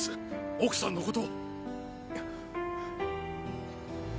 奥さんのこと！